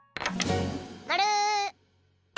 まる！